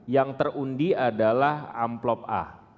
yang terundi adalah amplop a